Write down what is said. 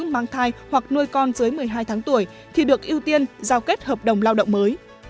mang thai hoặc nuôi con dưới một mươi hai tháng tuổi thì được ưu tiên giao kết hợp đồng lao động mới